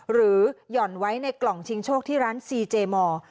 หย่อนไว้ในกล่องชิงโชคที่ร้านซีเจมอร์